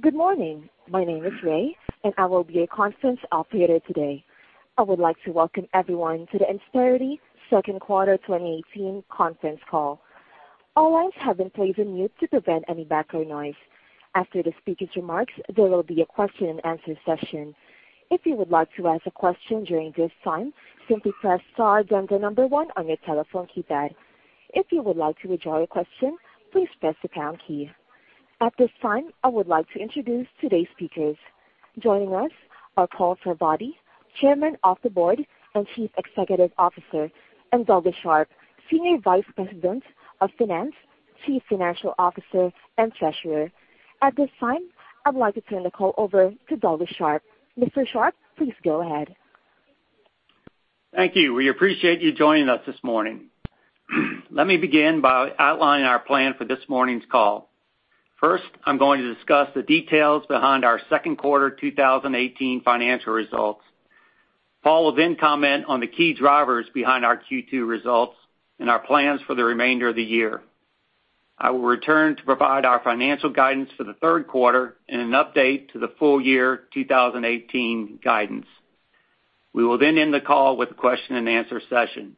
Good morning. My name is Ray. I will be your conference operator today. I would like to welcome everyone to the Insperity second quarter 2018 conference call. All lines have been placed on mute to prevent any background noise. After the speakers' remarks, there will be a question and answer session. If you would like to ask a question during this time, simply press star, then 1 on your telephone keypad. If you would like to withdraw your question, please press the pound key. At this time, I would like to introduce today's speakers. Joining us are Paul Sarvadi, Chairman of the Board and Chief Executive Officer, and Douglas S. Sharp, Senior Vice President of Finance, Chief Financial Officer, and Treasurer. At this time, I'd like to turn the call over to Douglas S. Sharp. Mr. Sharp, please go ahead. Thank you. We appreciate you joining us this morning. Let me begin by outlining our plan for this morning's call. First, I'm going to discuss the details behind our second quarter 2018 financial results. Paul will comment on the key drivers behind our Q2 results and our plans for the remainder of the year. I will return to provide our financial guidance for the third quarter and an update to the full year 2018 guidance. We will end the call with a question and answer session.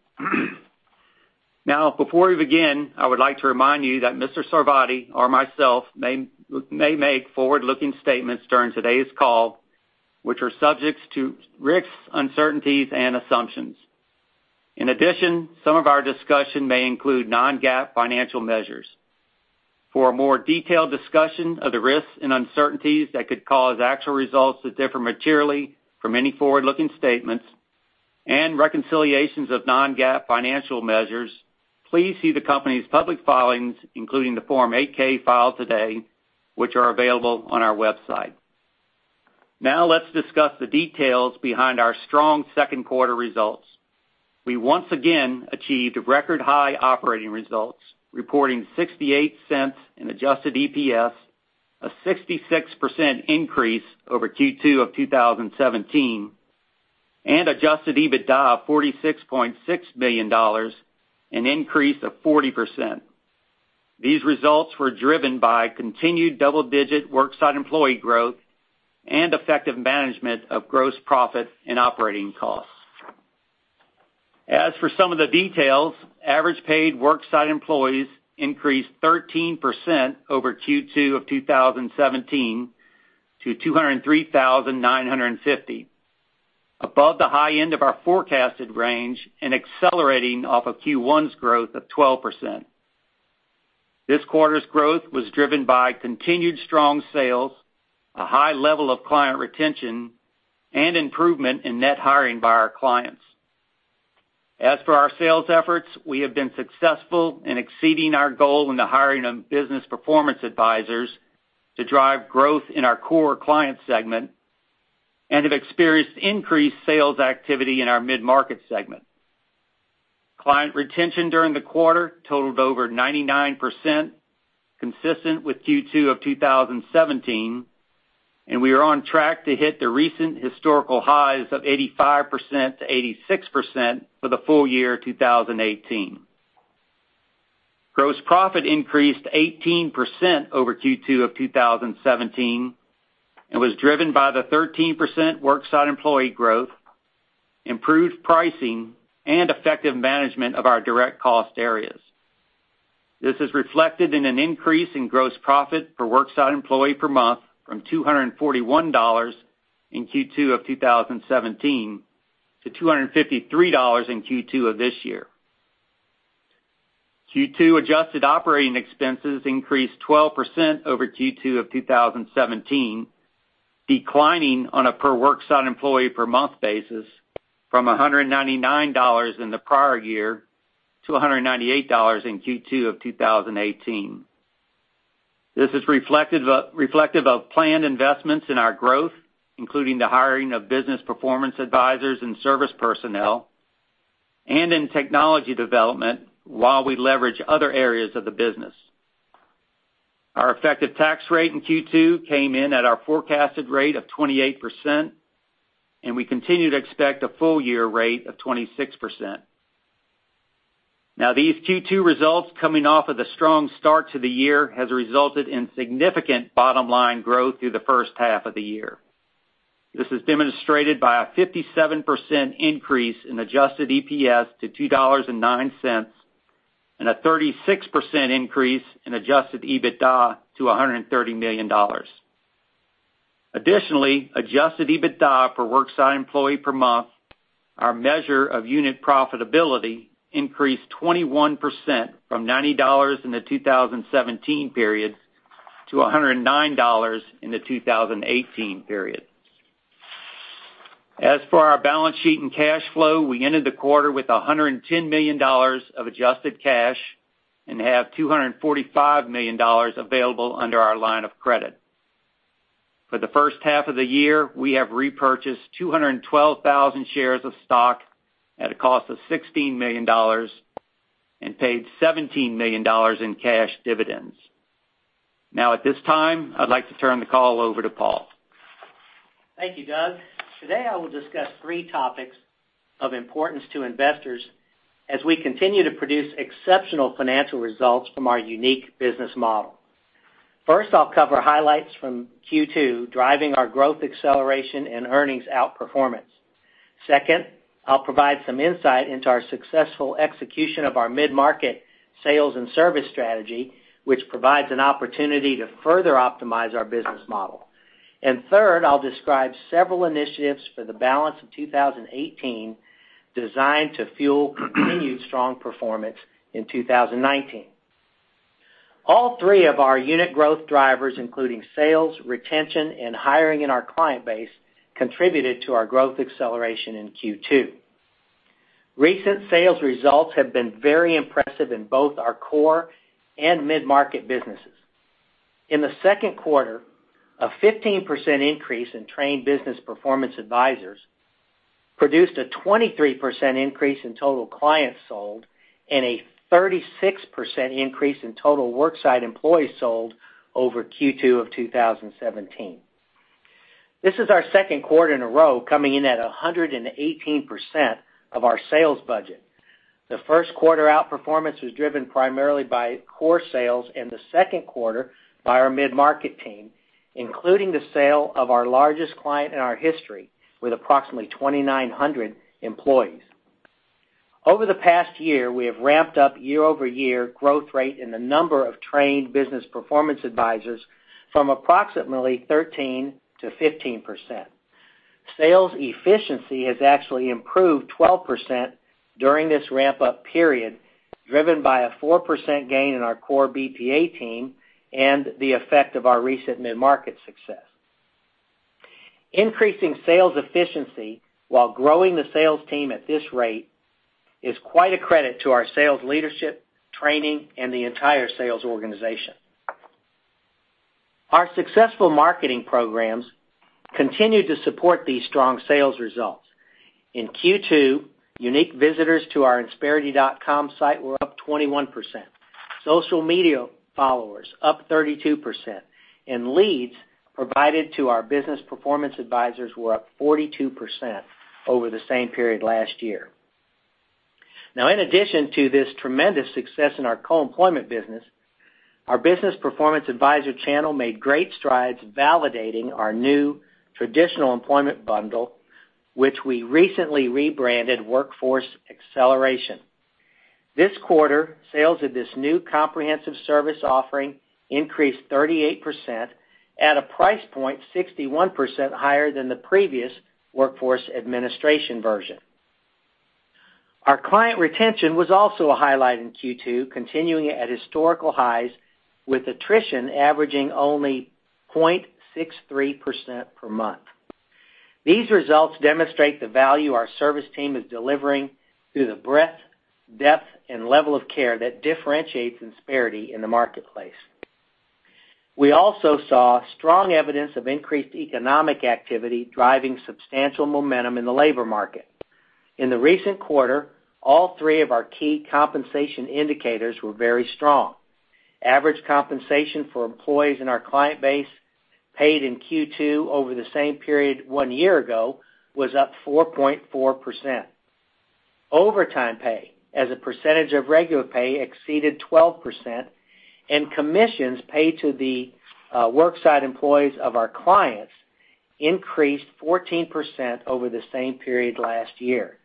Before we begin, I would like to remind you that Mr. Sarvadi or myself may make forward-looking statements during today's call, which are subject to risks, uncertainties, and assumptions. In addition, some of our discussion may include non-GAAP financial measures. For a more detailed discussion of the risks and uncertainties that could cause actual results to differ materially from any forward-looking statements and reconciliations of non-GAAP financial measures, please see the company's public filings, including the Form 8-K filed today, which are available on our website. Let's discuss the details behind our strong second quarter results. We once again achieved record high operating results, reporting $0.68 in adjusted EPS, a 66% increase over Q2 of 2017, and adjusted EBITDA of $46.6 million, an increase of 40%. These results were driven by continued double-digit worksite employee growth and effective management of gross profit and operating costs. As for some of the details, average paid worksite employees increased 13% over Q2 of 2017 to 203,950, above the high end of our forecasted range and accelerating off of Q1's growth of 12%. This quarter's growth was driven by continued strong sales, a high level of client retention, and improvement in net hiring by our clients. As for our sales efforts, we have been successful in exceeding our goal in the hiring of Business Performance Advisor to drive growth in our core client segment and have experienced increased sales activity in our mid-market segment. Client retention during the quarter totaled over 99%, consistent with Q2 of 2017, and we are on track to hit the recent historical highs of 85%-86% for the full year 2018. Gross profit increased 18% over Q2 of 2017 and was driven by the 13% worksite employee growth, improved pricing, and effective management of our direct cost areas. This is reflected in an increase in gross profit per worksite employee per month from $241 in Q2 of 2017 to $253 in Q2 of this year. Q2 adjusted operating expenses increased 12% over Q2 of 2017, declining on a per worksite employee per month basis from $199 in the prior year to $198 in Q2 of 2018. This is reflective of planned investments in our growth, including the hiring of Business Performance Advisor and service personnel, and in technology development while we leverage other areas of the business. Our effective tax rate in Q2 came in at our forecasted rate of 28%, and we continue to expect a full year rate of 26%. These Q2 results coming off of the strong start to the year has resulted in significant bottom-line growth through the first half of the year. This is demonstrated by a 57% increase in adjusted EPS to $2.09 and a 36% increase in adjusted EBITDA to $130 million. Additionally, adjusted EBITDA per worksite employee per month, our measure of unit profitability, increased 21% from $90 in the 2017 period to $109 in the 2018 period. As for our balance sheet and cash flow, we ended the quarter with $110 million of adjusted cash and have $245 million available under our line of credit. For the first half of the year, we have repurchased 212,000 shares of stock at a cost of $16 million and paid $17 million in cash dividends. At this time, I'd like to turn the call over to Paul. Thank you, Doug. Today, I will discuss three topics of importance to investors as we continue to produce exceptional financial results from our unique business model. First, I'll cover highlights from Q2, driving our growth acceleration and earnings outperformance. Second, I'll provide some insight into our successful execution of our mid-market sales and service strategy, which provides an opportunity to further optimize our business model. Third, I'll describe several initiatives for the balance of 2018, designed to fuel continued strong performance in 2019. All three of our unit growth drivers, including sales, retention, and hiring in our client base, contributed to our growth acceleration in Q2. Recent sales results have been very impressive in both our core and mid-market businesses. In the second quarter, a 15% increase in trained Business Performance Advisors produced a 23% increase in total clients sold and a 36% increase in total worksite employees sold over Q2 of 2017. This is our second quarter in a row coming in at 118% of our sales budget. The first quarter outperformance was driven primarily by core sales, and the second quarter by our mid-market team, including the sale of our largest client in our history, with approximately 2,900 employees. Over the past year, we have ramped up year-over-year growth rate in the number of trained Business Performance Advisors from approximately 13%-15%. Sales efficiency has actually improved 12% during this ramp-up period, driven by a 4% gain in our core BPA team and the effect of our recent mid-market success. Increasing sales efficiency while growing the sales team at this rate is quite a credit to our sales leadership, training, and the entire sales organization. Our successful marketing programs continue to support these strong sales results. In Q2, unique visitors to our insperity.com site were up 21%. Social media followers up 32%, and leads provided to our Business Performance Advisors were up 42% over the same period last year. In addition to this tremendous success in our co-employment business, our Business Performance Advisor channel made great strides validating our new traditional employment bundle, which we recently rebranded Workforce Acceleration. This quarter, sales of this new comprehensive service offering increased 38% at a price point 61% higher than the previous Workforce Administration version. Our client retention was also a highlight in Q2, continuing at historical highs, with attrition averaging only 0.63% per month. These results demonstrate the value our service team is delivering through the breadth, depth, and level of care that differentiates Insperity in the marketplace. We also saw strong evidence of increased economic activity driving substantial momentum in the labor market. In the recent quarter, all three of our key compensation indicators were very strong. Average compensation for employees in our client base paid in Q2 over the same period one year ago was up 4.4%. Overtime pay as a percentage of regular pay exceeded 12%, and commissions paid to the worksite employees of our clients increased 14% over the same period last year.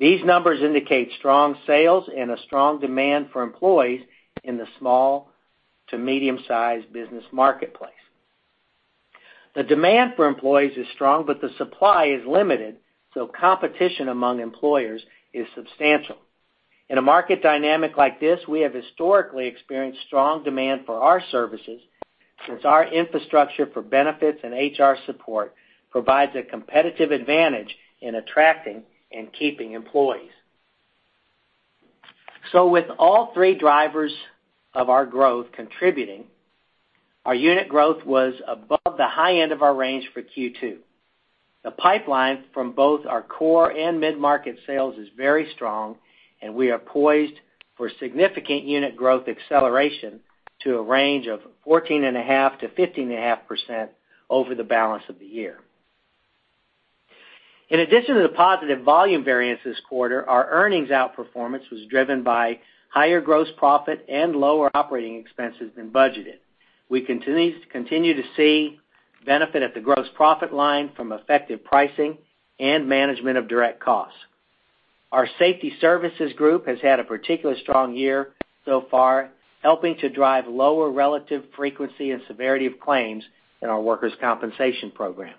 These numbers indicate strong sales and a strong demand for employees in the small to medium-sized business marketplace. The demand for employees is strong, but the supply is limited, so competition among employers is substantial. In a market dynamic like this, we have historically experienced strong demand for our services, since our infrastructure for benefits and HR support provides a competitive advantage in attracting and keeping employees. With all three drivers of our growth contributing, our unit growth was above the high end of our range for Q2. The pipeline from both our core and mid-market sales is very strong, and we are poised for significant unit growth acceleration to a range of 14.5%-15.5% over the balance of the year. In addition to the positive volume variance this quarter, our earnings outperformance was driven by higher gross profit and lower operating expenses than budgeted. We continue to see benefit at the gross profit line from effective pricing and management of direct costs. Our safety services group has had a particularly strong year so far, helping to drive lower relative frequency and severity of claims in our workers' compensation program.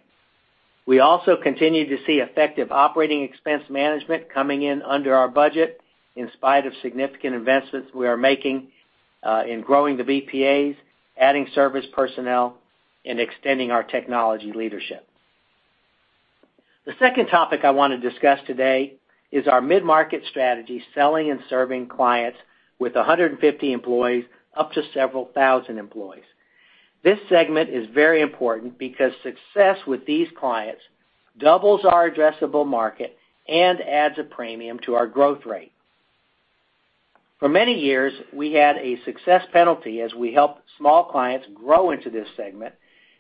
We also continue to see effective operating expense management coming in under our budget in spite of significant investments we are making in growing the BPAs, adding service personnel, and extending our technology leadership. The second topic I want to discuss today is our mid-market strategy, selling and serving clients with 150 employees up to several thousand employees. This segment is very important because success with these clients doubles our addressable market and adds a premium to our growth rate. For many years, we had a success penalty as we helped small clients grow into this segment.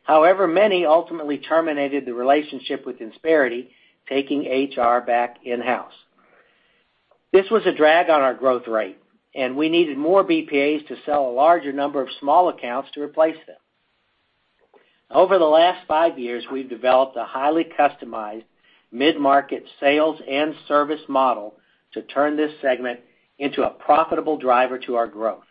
However, many ultimately terminated the relationship with Insperity, taking HR back in-house. This was a drag on our growth rate, and we needed more BPAs to sell a larger number of small accounts to replace them. Over the last five years, we've developed a highly customized mid-market sales and service model to turn this segment into a profitable driver to our growth.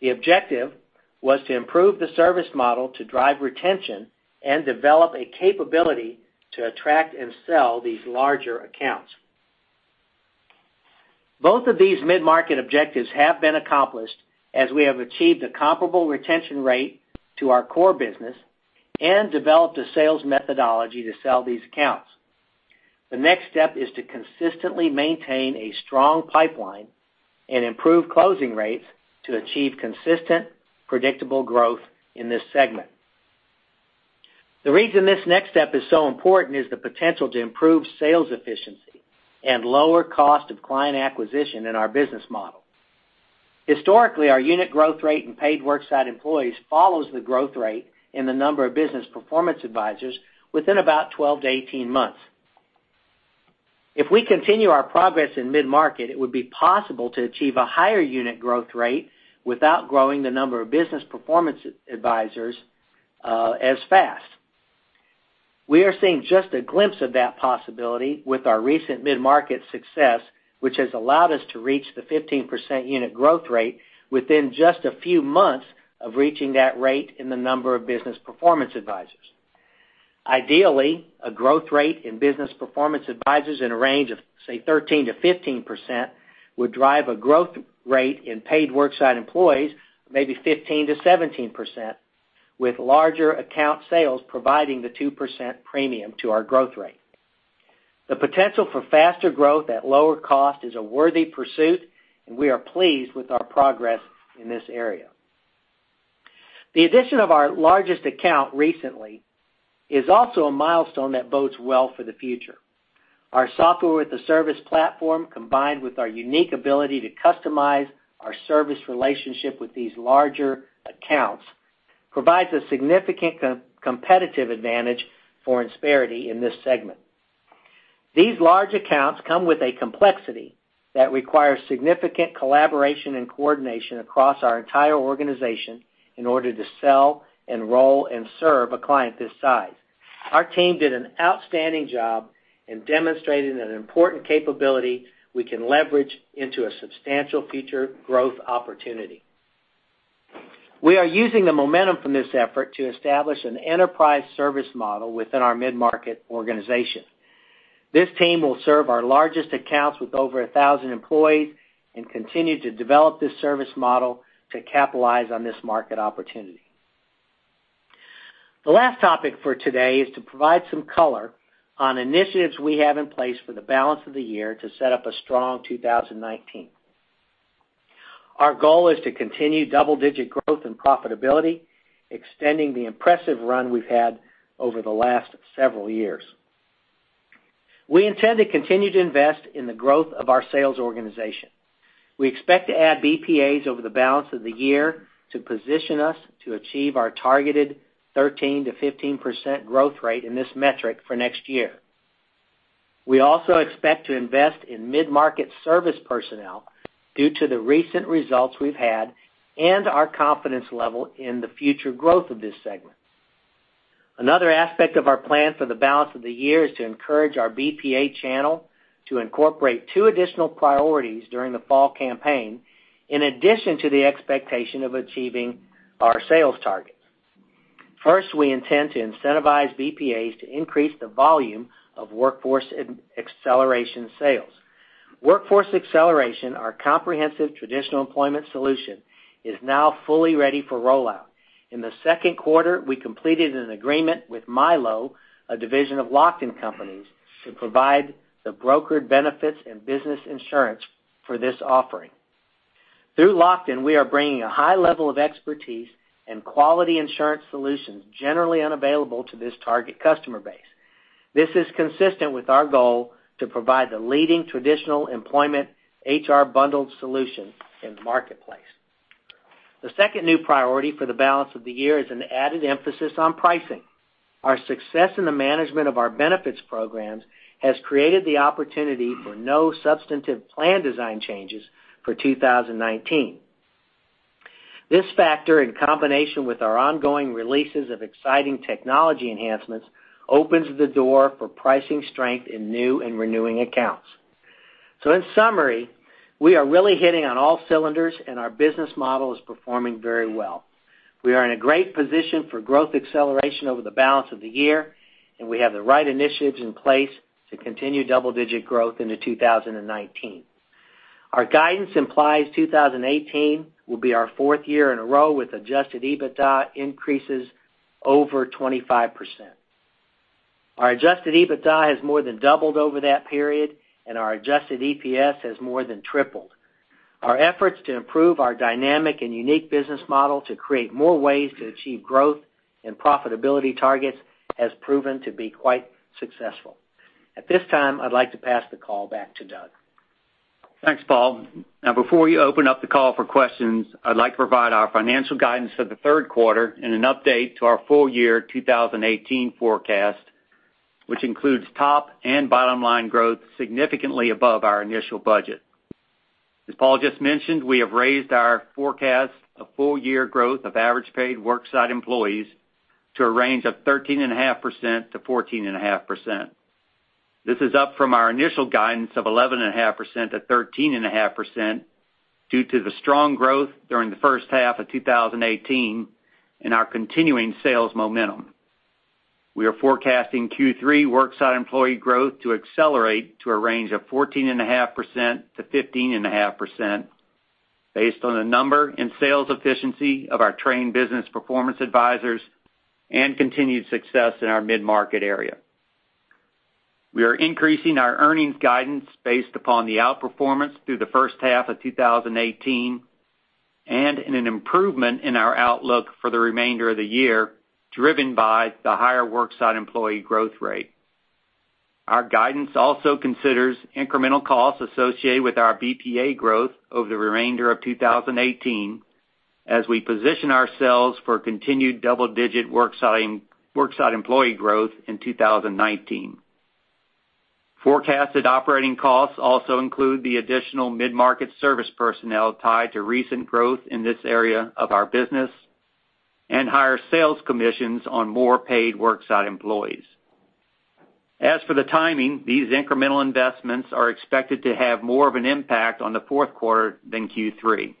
The objective was to improve the service model to drive retention and develop a capability to attract and sell these larger accounts. Both of these mid-market objectives have been accomplished as we have achieved a comparable retention rate to our core business and developed a sales methodology to sell these accounts. The next step is to consistently maintain a strong pipeline and improve closing rates to achieve consistent, predictable growth in this segment. The reason this next step is so important is the potential to improve sales efficiency and lower cost of client acquisition in our business model. Historically, our unit growth rate in paid worksite employees follows the growth rate in the number of business performance advisors within about 12-18 months. If we continue our progress in mid-market, it would be possible to achieve a higher unit growth rate without growing the number of business performance advisors as fast. We are seeing just a glimpse of that possibility with our recent mid-market success, which has allowed us to reach the 15% unit growth rate within just a few months of reaching that rate in the number of business performance advisors. Ideally, a growth rate in business performance advisors in a range of, say, 13%-15% would drive a growth rate in paid worksite employees maybe 15%-17%, with larger account sales providing the 2% premium to our growth rate. The potential for faster growth at lower cost is a worthy pursuit, we are pleased with our progress in this area. The addition of our largest account recently is also a milestone that bodes well for the future. Our software with the service platform, combined with our unique ability to customize our service relationship with these larger accounts, provides a significant competitive advantage for Insperity in this segment. These large accounts come with a complexity that requires significant collaboration and coordination across our entire organization in order to sell, enroll, and serve a client this size. Our team did an outstanding job in demonstrating an important capability we can leverage into a substantial future growth opportunity. We are using the momentum from this effort to establish an enterprise service model within our mid-market organization. This team will serve our largest accounts with over 1,000 employees and continue to develop this service model to capitalize on this market opportunity. The last topic for today is to provide some color on initiatives we have in place for the balance of the year to set up a strong 2019. Our goal is to continue double-digit growth and profitability, extending the impressive run we've had over the last several years. We intend to continue to invest in the growth of our sales organization. We expect to add BPAs over the balance of the year to position us to achieve our targeted 13%-15% growth rate in this metric for next year. We also expect to invest in mid-market service personnel due to the recent results we've had and our confidence level in the future growth of this segment. Another aspect of our plan for the balance of the year is to encourage our BPA channel to incorporate two additional priorities during the fall campaign, in addition to the expectation of achieving our sales targets. First, we intend to incentivize BPAs to increase the volume of Workforce Acceleration sales. Workforce Acceleration, our comprehensive traditional employment solution, is now fully ready for rollout. In the second quarter, we completed an agreement with Mylo, a division of Lockton Companies, to provide the brokered benefits and business insurance for this offering. Through Lockton, we are bringing a high level of expertise and quality insurance solutions generally unavailable to this target customer base. This is consistent with our goal to provide the leading traditional employment HR bundled solution in the marketplace. The second new priority for the balance of the year is an added emphasis on pricing. Our success in the management of our benefits programs has created the opportunity for no substantive plan design changes for 2019. This factor, in combination with our ongoing releases of exciting technology enhancements, opens the door for pricing strength in new and renewing accounts. In summary, we are really hitting on all cylinders, our business model is performing very well. We are in a great position for growth acceleration over the balance of the year, and we have the right initiatives in place to continue double-digit growth into 2019. Our guidance implies 2018 will be our fourth year in a row with adjusted EBITDA increases over 25%. Our adjusted EBITDA has more than doubled over that period, and our adjusted EPS has more than tripled. Our efforts to improve our dynamic and unique business model to create more ways to achieve growth and profitability targets has proven to be quite successful. At this time, I'd like to pass the call back to Doug. Thanks, Paul. Before you open up the call for questions, I'd like to provide our financial guidance for the third quarter and an update to our full year 2018 forecast, which includes top and bottom-line growth significantly above our initial budget. As Paul just mentioned, we have raised our forecast of full-year growth of average paid worksite employees to a range of 13.5%-14.5%. This is up from our initial guidance of 11.5%-13.5% due to the strong growth during the first half of 2018 and our continuing sales momentum. We are forecasting Q3 worksite employee growth to accelerate to a range of 14.5%-15.5%, based on the number and sales efficiency of our trained Business Performance Advisor and continued success in our mid-market area. We are increasing our earnings guidance based upon the outperformance through the first half of 2018, and in an improvement in our outlook for the remainder of the year, driven by the higher worksite employee growth rate. Our guidance also considers incremental costs associated with our BPA growth over the remainder of 2018, as we position ourselves for continued double-digit worksite employee growth in 2019. Forecasted operating costs also include the additional mid-market service personnel tied to recent growth in this area of our business, and higher sales commissions on more paid worksite employees. As for the timing, these incremental investments are expected to have more of an impact on the fourth quarter than Q3.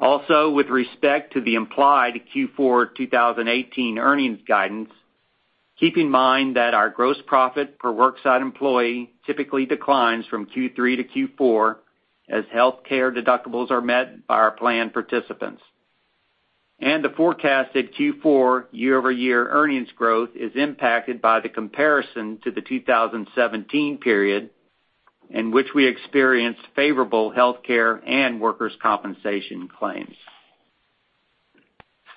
Also, with respect to the implied Q4 2018 earnings guidance, keep in mind that our gross profit per worksite employee typically declines from Q3 to Q4 as healthcare deductibles are met by our plan participants. The forecasted Q4 year-over-year earnings growth is impacted by the comparison to the 2017 period, in which we experienced favorable healthcare and workers' compensation claims.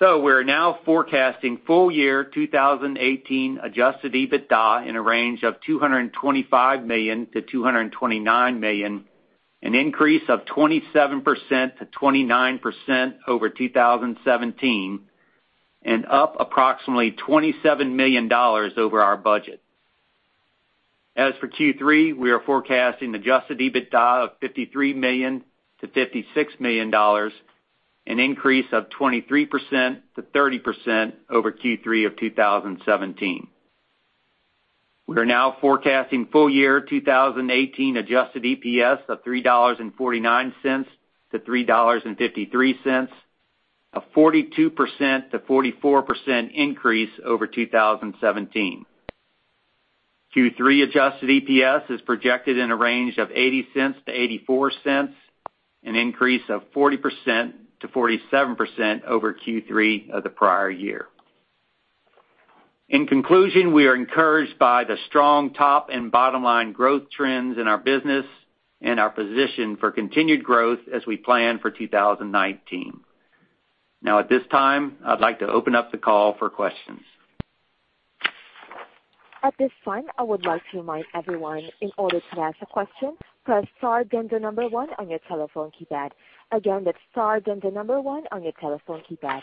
We're now forecasting full year 2018 adjusted EBITDA in a range of $225 million-$229 million, an increase of 27%-29% over 2017, and up approximately $27 million over our budget. As for Q3, we are forecasting adjusted EBITDA of $53 million-$56 million, an increase of 23%-30% over Q3 of 2017. We are now forecasting full year 2018 adjusted EPS of $3.49-$3.53, a 42%-44% increase over 2017. Q3 adjusted EPS is projected in a range of $0.80-$0.84, an increase of 40%-47% over Q3 of the prior year. In conclusion, we are encouraged by the strong top and bottom-line growth trends in our business and our position for continued growth as we plan for 2019. At this time, I'd like to open up the call for questions. At this time, I would like to remind everyone, in order to ask a question, press star then the number 1 on your telephone keypad. Again, that's star then the number 1 on your telephone keypad.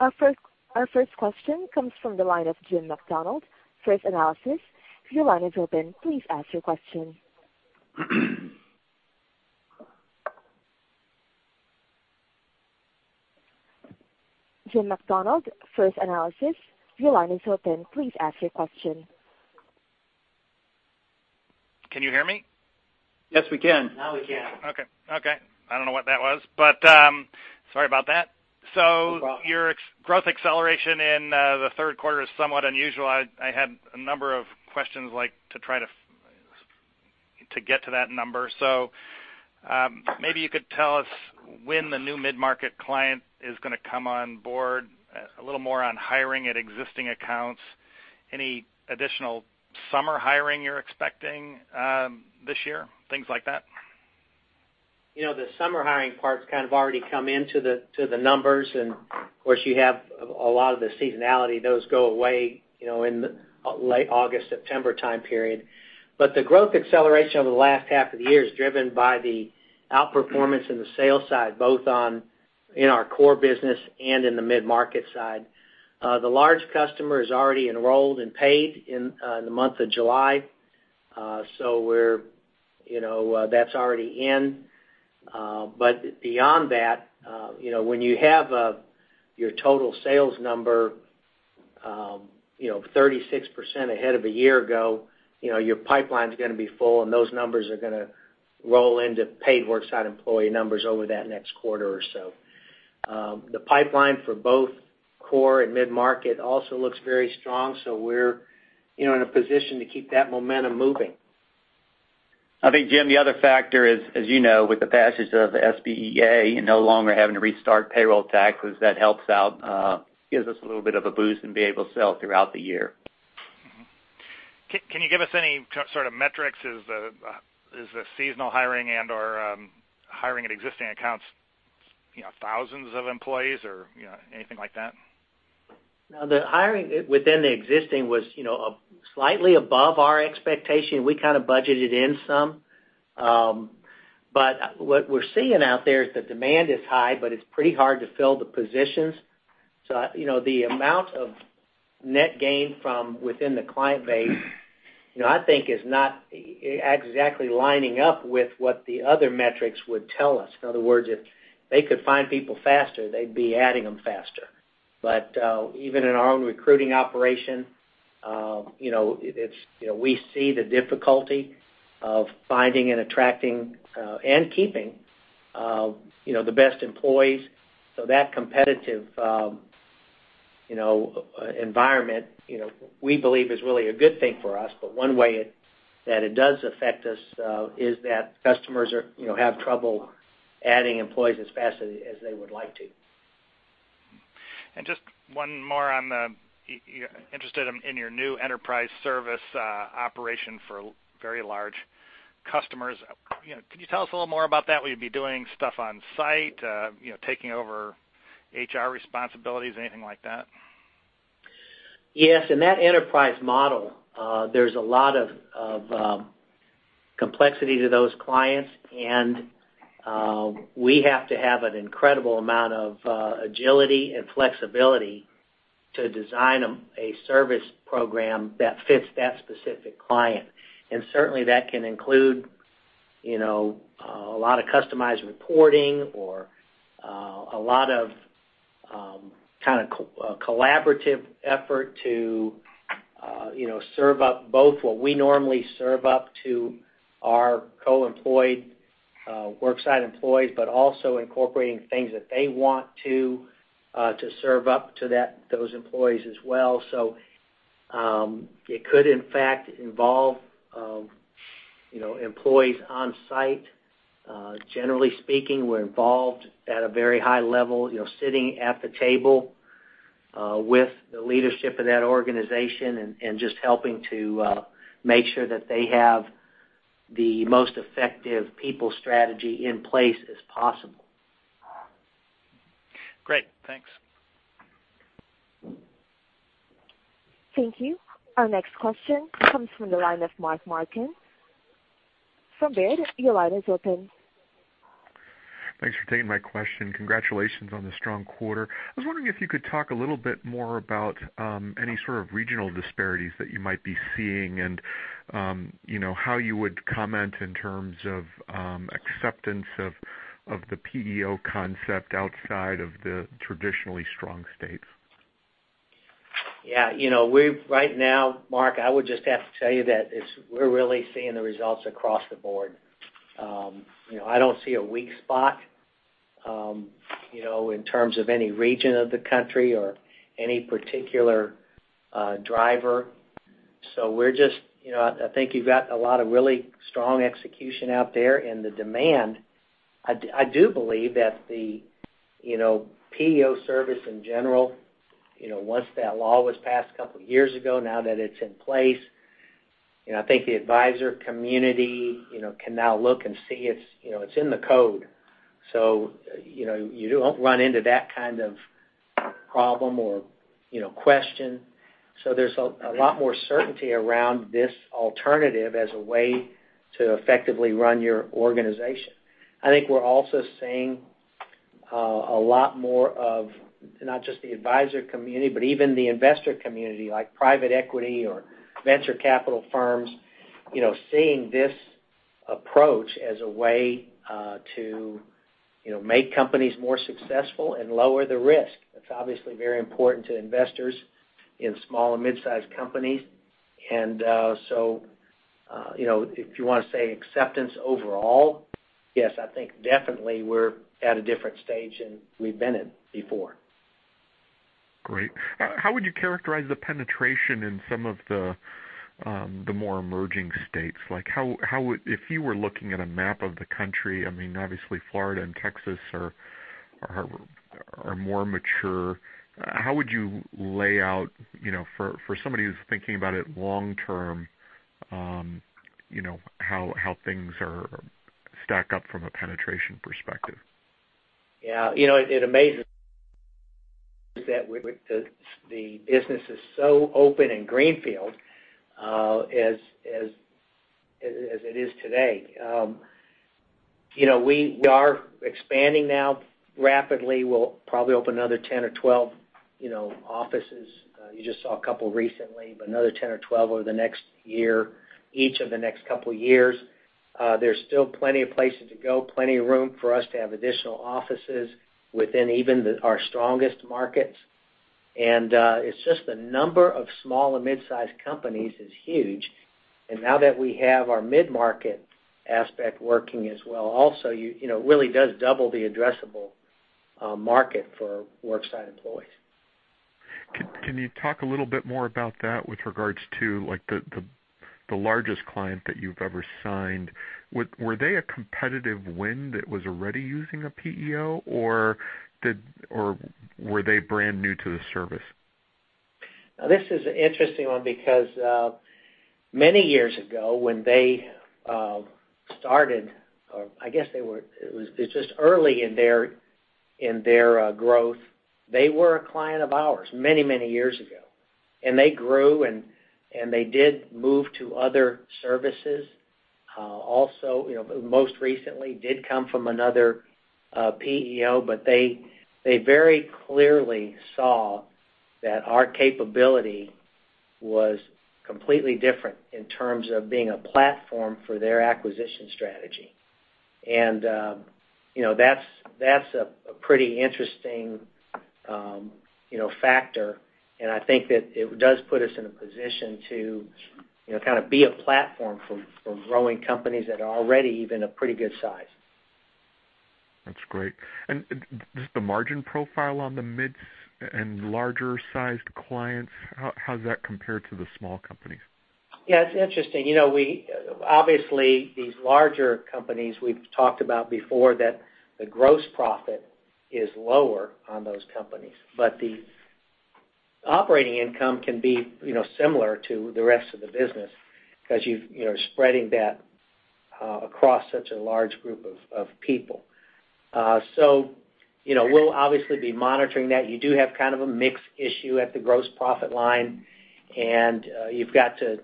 Our first question comes from the line of Jim Macdonald, First Analysis. Your line is open. Please ask your question. Jim Macdonald, First Analysis, your line is open. Please ask your question. Can you hear me? Yes, we can. Now we can. Okay. I don't know what that was, but sorry about that. No problem. Your growth acceleration in the third quarter is somewhat unusual. I had a number of questions to try to get to that number. Maybe you could tell us when the new mid-market client is going to come on board, a little more on hiring at existing accounts, any additional summer hiring you're expecting this year, things like that. The summer hiring part's kind of already come into the numbers, and of course, you have a lot of the seasonality. Those go away in late August, September time period. The growth acceleration over the last half of the year is driven by the outperformance in the sales side, both in our core business and in the mid-market side. The large customer is already enrolled and paid in the month of July, so that's already in. Beyond that, when you have your total sales number 36% ahead of a year ago, your pipeline's going to be full, and those numbers are going to roll into paid worksite employee numbers over that next quarter or so. The pipeline for both core and mid-market also looks very strong, so we're in a position to keep that momentum moving. I think, Jim, the other factor is, as you know, with the passage of the SBEA and no longer having to restart payroll taxes, that helps out, gives us a little bit of a boost and be able to sell throughout the year. Can you give us any sort of metrics? Is the seasonal hiring and/or hiring at existing accounts thousands of employees or anything like that? No, the hiring within the existing was slightly above our expectation. We kind of budgeted in some. What we're seeing out there is that demand is high, it's pretty hard to fill the positions. The amount of net gain from within the client base, I think is not exactly lining up with what the other metrics would tell us. In other words, if they could find people faster, they'd be adding them faster. Even in our own recruiting operation, we see the difficulty of finding and attracting, and keeping the best employees. That competitive environment, we believe is really a good thing for us. One way that it does affect us is that customers have trouble adding employees as fast as they would like to. Just one more. Interested in your new enterprise service operation for very large customers. Can you tell us a little more about that? Will you be doing stuff on site, taking over HR responsibilities, anything like that? Yes. In that enterprise model, there's a lot of complexity to those clients, we have to have an incredible amount of agility and flexibility to design a service program that fits that specific client. Certainly, that can include a lot of customized reporting or a lot of kind of collaborative effort to serve up both what we normally serve up to our co-employed worksite employees, but also incorporating things that they want to serve up to those employees as well. It could in fact, involve employees on site. Generally speaking, we're involved at a very high level, sitting at the table with the leadership of that organization and just helping to make sure that they have the most effective people strategy in place as possible. Great. Thanks. Thank you. Our next question comes from the line of Mark Marcon. From Baird, your line is open. Thanks for taking my question. Congratulations on the strong quarter. I was wondering if you could talk a little bit more about any sort of regional disparities that you might be seeing and how you would comment in terms of acceptance of the PEO concept outside of the traditionally strong states. Yeah. Right now, Mark, I would just have to tell you that we're really seeing the results across the board. I don't see a weak spot in terms of any region of the country or any particular driver. I think you've got a lot of really strong execution out there, and the demand. I do believe that the PEO service in general, once that law was passed a couple of years ago, now that it's in place, I think the advisor community can now look and see it's in the code. You don't run into that kind of problem or question. There's a lot more certainty around this alternative as a way to effectively run your organization. I think we're also seeing a lot more of, not just the advisor community, but even the investor community, like private equity or venture capital firms seeing this approach as a way to make companies more successful and lower the risk. That's obviously very important to investors in small and mid-sized companies. If you want to say acceptance overall, yes, I think definitely we're at a different stage than we've been in before. Great. How would you characterize the penetration in some of the more emerging states? If you were looking at a map of the country, I mean, obviously Florida and Texas are more mature. How would you lay out, for somebody who's thinking about it long term, how things are stacked up from a penetration perspective? Yeah. It amazes that the business is so open in greenfield as it is today. We are expanding now rapidly. We'll probably open another 10 or 12 offices. You just saw a couple recently, but another 10 or 12 over the next year, each of the next couple of years. There's still plenty of places to go, plenty of room for us to have additional offices within even our strongest markets. It's just the number of small and mid-sized companies is huge, and now that we have our mid-market aspect working as well also, really does double the addressable market for worksite employees. Can you talk a little bit more about that with regards to the largest client that you've ever signed, were they a competitive win that was already using a PEO, or were they brand new to the service? This is an interesting one because many years ago when they started, or it's just early in their growth, they were a client of ours many years ago. They grew, and they did move to other services. Most recently, did come from another PEO, but they very clearly saw that our capability was completely different in terms of being a platform for their acquisition strategy. That's a pretty interesting factor, and I think that it does put us in a position to kind of be a platform for growing companies that are already even a pretty good size. That's great. Just the margin profile on the mid and larger sized clients, how does that compare to the small companies? Yeah, it's interesting. Obviously, these larger companies, we've talked about before that the gross profit is lower on those companies, but the operating income can be similar to the rest of the business because you're spreading that across such a large group of people. We'll obviously be monitoring that. You do have kind of a mix issue at the gross profit line, and you've got to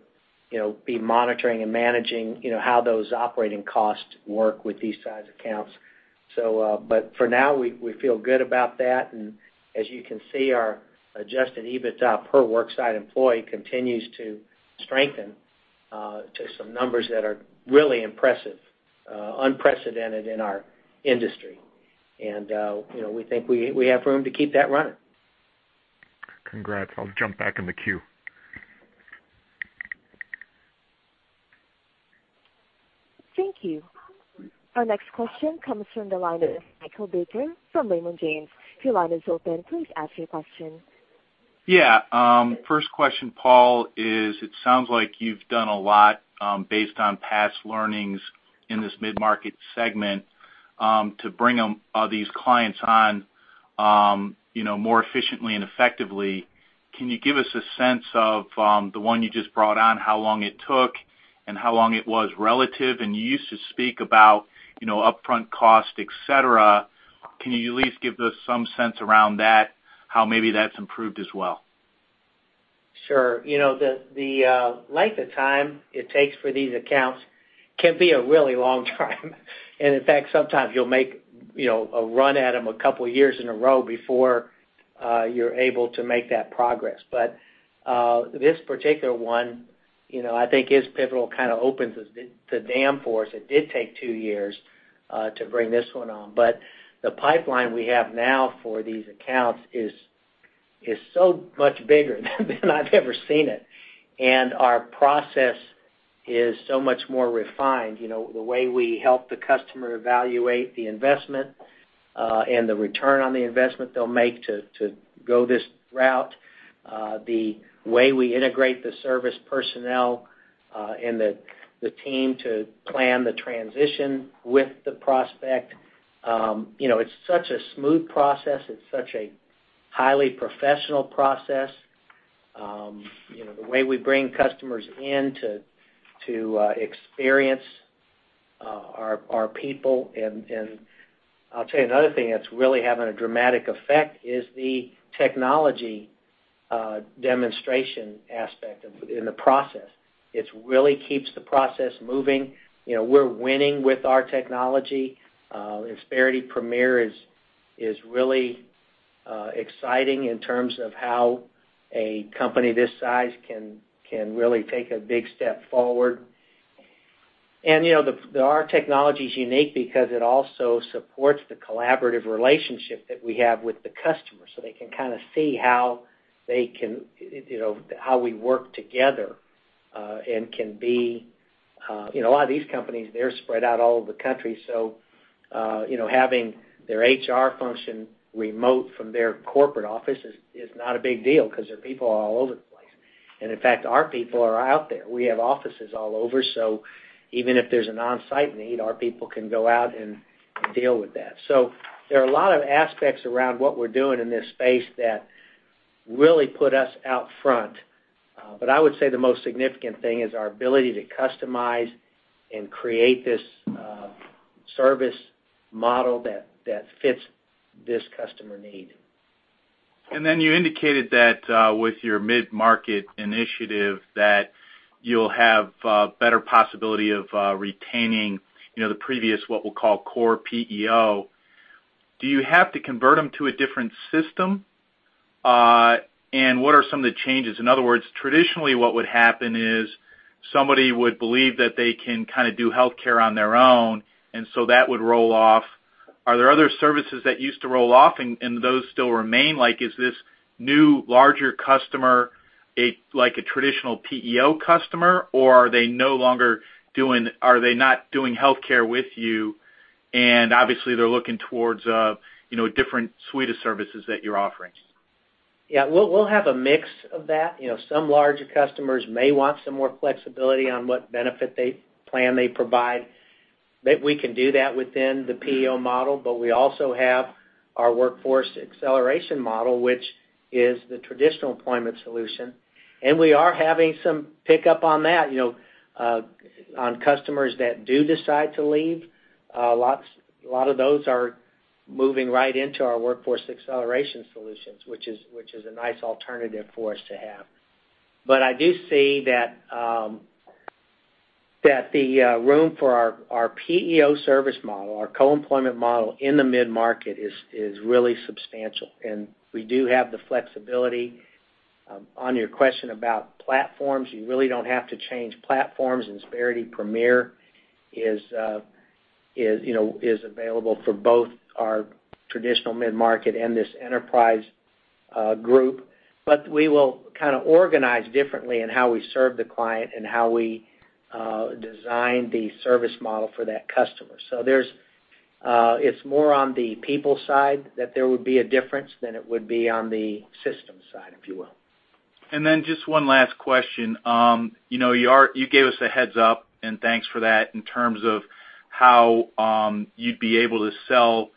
be monitoring and managing how those operating costs work with these size accounts. For now, we feel good about that. As you can see, our adjusted EBITDA per worksite employee continues to strengthen to some numbers that are really impressive, unprecedented in our industry. We think we have room to keep that running. Congrats. I'll jump back in the queue. Thank you. Our next question comes from the line of Michael Baker from Raymond James. Your line is open. Please ask your question. Yeah. First question, Paul, is it sounds like you've done a lot based on past learnings in this mid-market segment, to bring these clients on more efficiently and effectively. Can you give us a sense of the one you just brought on, how long it took and how long it was relative? You used to speak about upfront cost, et cetera. Can you at least give us some sense around that, how maybe that's improved as well? Sure. The length of time it takes for these accounts can be a really long time. In fact, sometimes you'll make a run at them a couple of years in a row before you're able to make that progress. This particular one I think is pivotal, kind of opens the dam for us. It did take two years to bring this one on. The pipeline we have now for these accounts is so much bigger than I've ever seen it. Our process is so much more refined. The way we help the customer evaluate the investment and the return on the investment they'll make to go this route, the way we integrate the service personnel and the team to plan the transition with the prospect. It's such a smooth process. It's such a highly professional process. The way we bring customers in to experience our people. I'll tell you another thing that's really having a dramatic effect is the technology demonstration aspect in the process. It really keeps the process moving. We're winning with our technology. Insperity Premier is really exciting in terms of how a company this size can really take a big step forward. Our technology's unique because it also supports the collaborative relationship that we have with the customer, so they can kind of see how we work together. A lot of these companies, they're spread out all over the country, so having their HR function remote from their corporate office is not a big deal because their people are all over the place. In fact, our people are out there. We have offices all over, so even if there's an on-site need, our people can go out and deal with that. There are a lot of aspects around what we're doing in this space that really put us out front. I would say the most significant thing is our ability to customize and create this service model that fits this customer need. Then you indicated that with your mid-market initiative, that you'll have better possibility of retaining the previous, what we'll call core PEO. Do you have to convert them to a different system? What are some of the changes? In other words, traditionally, what would happen is somebody would believe that they can kind of do healthcare on their own, and so that would roll off. Are there other services that used to roll off and those still remain? Is this new, larger customer like a traditional PEO customer, or are they not doing healthcare with you, and obviously, they're looking towards a different suite of services that you're offering? We'll have a mix of that. Some larger customers may want some more flexibility on what benefit plan they provide. Maybe we can do that within the PEO model, but we also have our Workforce Acceleration model, which is the traditional employment solution. We are having some pickup on that. On customers that do decide to leave, a lot of those are moving right into our Workforce Acceleration solutions, which is a nice alternative for us to have. I do see that the room for our PEO service model, our co-employment model in the mid-market, is really substantial, and we do have the flexibility. On your question about platforms, you really don't have to change platforms. Insperity Premier is available for both our traditional mid-market and this enterprise group. We will kind of organize differently in how we serve the client and how we design the service model for that customer. It's more on the people side that there would be a difference than it would be on the system side, if you will. Just one last question. You gave us a heads up, and thanks for that, in terms of how you'd be able to sell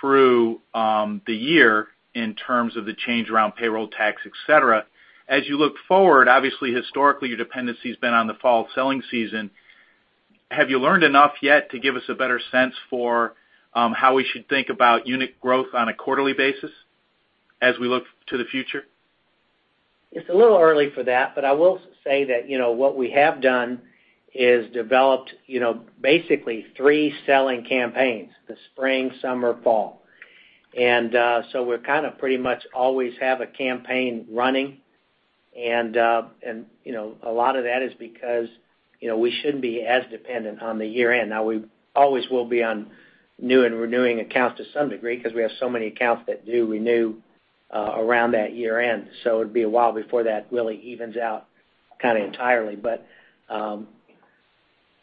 through the year in terms of the change around payroll tax, et cetera. As you look forward, obviously historically, your dependency's been on the fall selling season. Have you learned enough yet to give us a better sense for how we should think about unit growth on a quarterly basis as we look to the future? It's a little early for that, I will say that what we have done is developed basically three selling campaigns, the spring, summer, fall. So we kind of pretty much always have a campaign running, and a lot of that is because we shouldn't be as dependent on the year-end. Now, we always will be on new and renewing accounts to some degree because we have so many accounts that do renew around that year-end, so it'd be a while before that really evens out kind of entirely.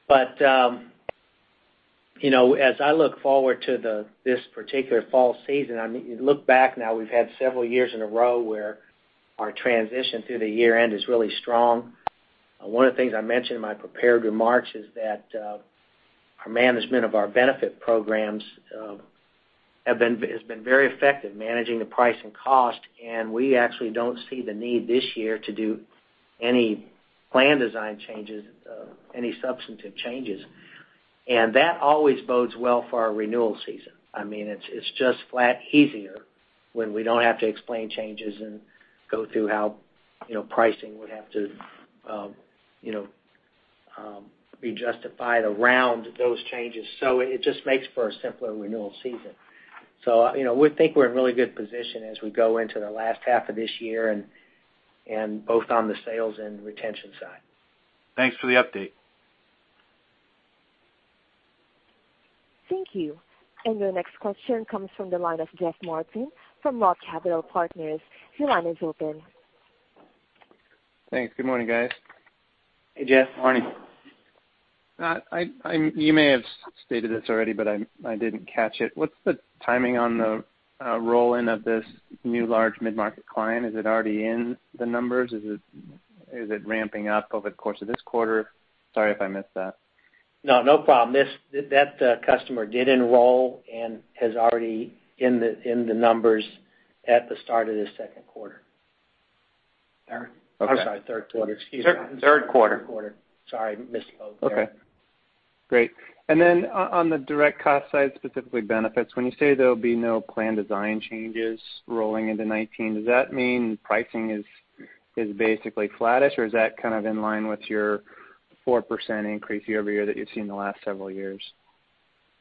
As I look forward to this particular fall season, you look back now, we've had several years in a row where our transition through the year-end is really strong. One of the things I mentioned in my prepared remarks is that our management of our benefit programs has been very effective, managing the price and cost, and we actually don't see the need this year to do any plan design changes, any substantive changes. That always bodes well for our renewal season. It's just flat easier when we don't have to explain changes and go through how pricing would have to be justified around those changes. It just makes for a simpler renewal season. We think we're in a really good position as we go into the last half of this year, both on the sales and retention side. Thanks for the update. Thank you. Your next question comes from the line of Jeff Martin from ROTH Capital Partners. Your line is open. Thanks. Good morning, guys. Hey, Jeff. Morning. You may have stated this already, but I didn't catch it. What's the timing on the roll-in of this new large mid-market client? Is it already in the numbers? Is it ramping up over the course of this quarter? Sorry if I missed that. No, no problem. That customer did enroll and is already in the numbers at the start of the second quarter. Okay. I'm sorry, third quarter. Excuse me. Third quarter. Third quarter. Sorry, misspoke there. Okay. Great. On the direct cost side, specifically benefits, when you say there'll be no plan design changes rolling into 2019, does that mean pricing is basically flattish, or is that kind of in line with your 4% increase year-over-year that you've seen the last several years?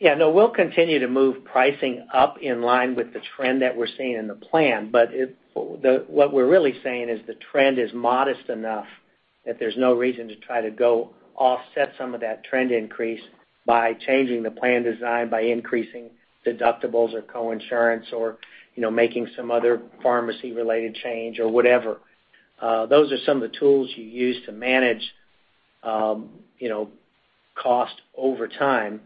Yeah. No, we'll continue to move pricing up in line with the trend that we're seeing in the plan. What we're really saying is the trend is modest enough that there's no reason to try to go offset some of that trend increase by changing the plan design, by increasing deductibles or co-insurance or making some other pharmacy-related change or whatever. Those are some of the tools you use to manage cost over time,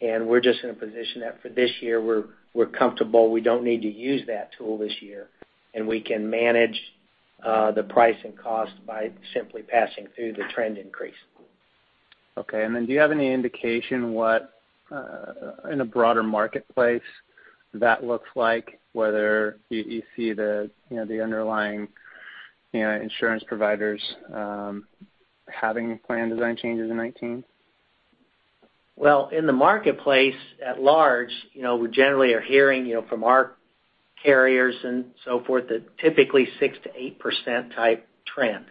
we're just in a position that for this year, we're comfortable. We don't need to use that tool this year, we can manage the price and cost by simply passing through the trend increase. Okay. Do you have any indication what, in a broader marketplace, that looks like? Whether you see the underlying insurance providers having plan design changes in 2019? Well, in the marketplace at large, we generally are hearing from our carriers and so forth, that typically 6%-8% type trend.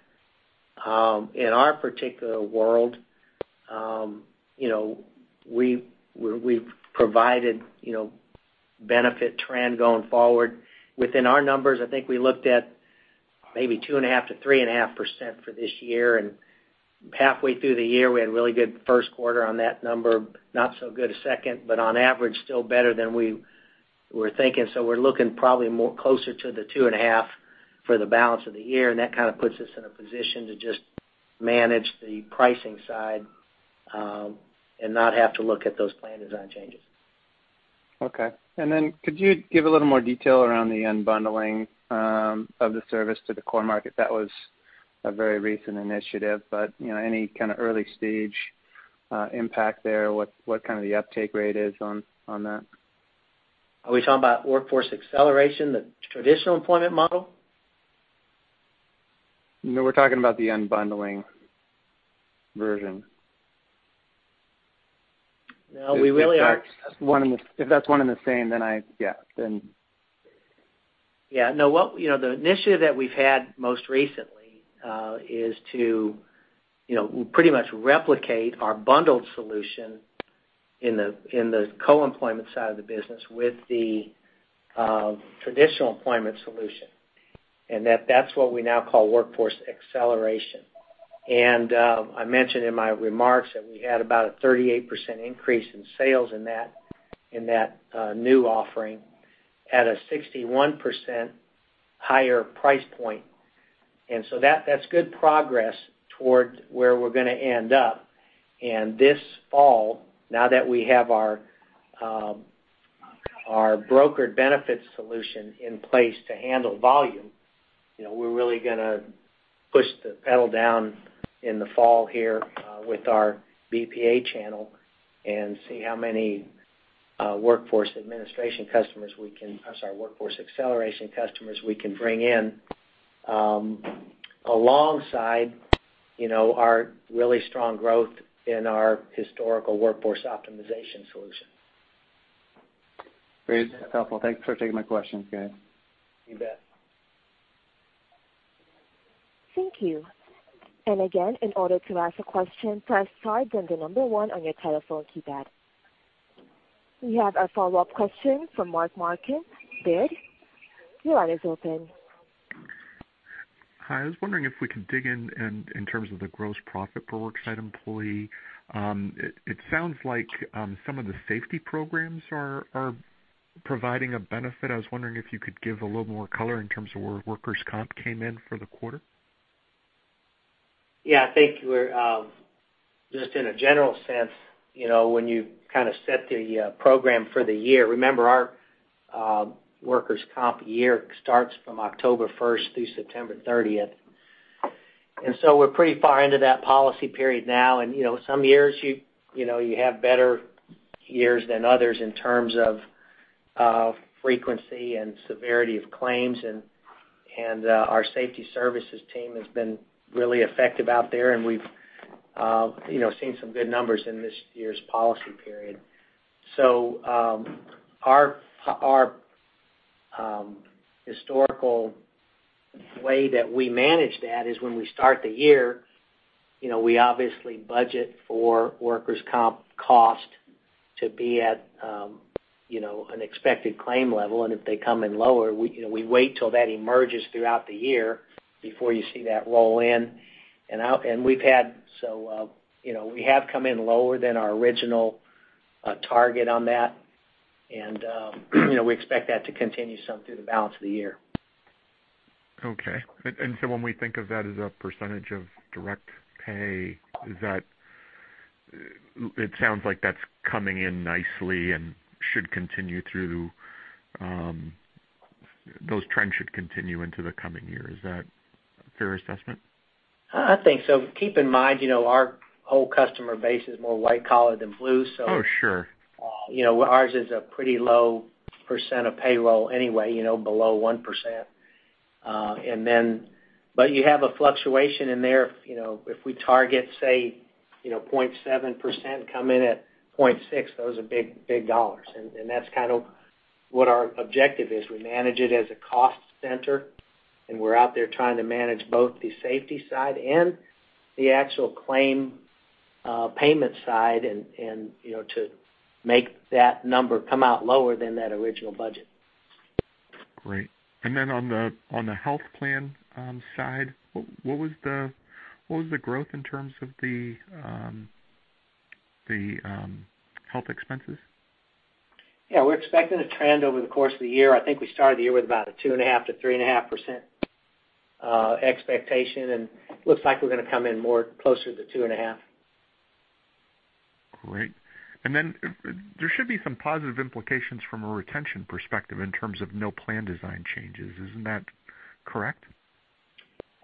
In our particular world, we've provided benefit trend going forward. Within our numbers, I think we looked at maybe 2.5%-3.5% for this year. Halfway through the year, we had a really good first quarter on that number, not so good a second, on average, still better than we were thinking. We're looking probably closer to the 2.5 for the balance of the year, that kind of puts us in a position to just manage the pricing side and not have to look at those plan design changes. Okay. Then could you give a little more detail around the unbundling of the service to the core market? That was a very recent initiative. Any kind of early stage impact there, what kind of the uptake rate is on that? Are we talking about Workforce Acceleration, the traditional employment model? No, we're talking about the unbundling version. No, we really are- If that's one and the same, yeah. Yeah. No, the initiative that we've had most recently is to pretty much replicate our bundled solution in the co-employment side of the business with the traditional employment solution, and that's what we now call Workforce Acceleration. I mentioned in my remarks that we had about a 38% increase in sales in that new offering at a 61% higher price point. That's good progress towards where we're going to end up. This fall, now that we have our brokered benefits solution in place to handle volume, we're really gonna push the pedal down in the fall here with our BPA channel and see how many Workforce Acceleration customers we can bring in, alongside our really strong growth in our historical Workforce Optimization solution. Great. That's helpful. Thanks for taking my questions, guys. You bet. Thank you. Again, in order to ask a question, press star then the number 1 on your telephone keypad. We have a follow-up question from Mark Marcon, Baird. Your line is open. Hi, I was wondering if we could dig in terms of the gross profit per worksite employee. It sounds like some of the safety programs are providing a benefit. I was wondering if you could give a little more color in terms of where workers' comp came in for the quarter. Yeah, I think just in a general sense, when you set the program for the year, remember our workers' comp year starts from October first through September 30th. We're pretty far into that policy period now. Some years you have better years than others in terms of frequency and severity of claims, and our safety services team has been really effective out there, and we've seen some good numbers in this year's policy period. Our historical way that we manage that is when we start the year, we obviously budget for workers' comp cost to be at an expected claim level, and if they come in lower, we wait till that emerges throughout the year before you see that roll in. We have come in lower than our original target on that, and we expect that to continue some through the balance of the year. Okay. When we think of that as a percentage of direct pay, it sounds like that's coming in nicely and those trends should continue into the coming year. Is that a fair assessment? I think so. Keep in mind, our whole customer base is more white collar than blue. Oh, sure. Ours is a pretty low percent of payroll anyway, below 1%. You have a fluctuation in there, if we target, say, 0.7%, come in at 0.6%, those are big dollars. That's kind of what our objective is. We manage it as a cost center, and we're out there trying to manage both the safety side and the actual claim payment side to make that number come out lower than that original budget. Great. On the health plan side, what was the growth in terms of the health expenses? Yeah, we're expecting a trend over the course of the year. I think we started the year with about a 2.5%-3.5% expectation, looks like we're going to come in more closer to 2.5%. Great. Then there should be some positive implications from a retention perspective in terms of no plan design changes. Isn't that correct?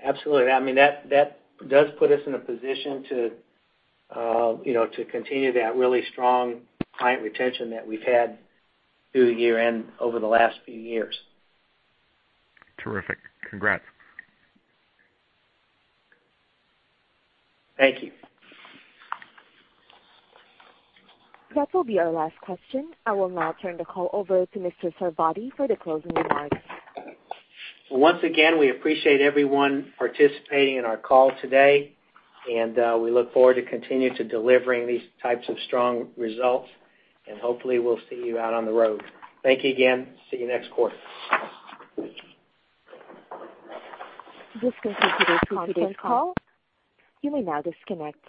Absolutely. I mean, that does put us in a position to continue that really strong client retention that we've had through the year and over the last few years. Terrific. Congrats. Thank you. That will be our last question. I will now turn the call over to Mr. Sarvadi for the closing remarks. Once again, we appreciate everyone participating in our call today, and we look forward to continue to delivering these types of strong results, and hopefully we'll see you out on the road. Thank you again. See you next quarter. This concludes today's conference call. You may now disconnect.